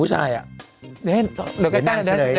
หรอเราว่าผู้ชาย